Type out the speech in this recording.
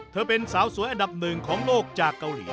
เธอเป็นสาวสวยอันดับหนึ่งของโลกจากเกาหลี